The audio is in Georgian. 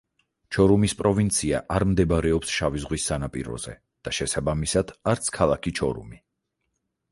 ჩორუმის პროვინცია არ მდებარეობს შავი ზღვის სანაპიროზე და შესაბამისად, არც ქალაქი ჩორუმი.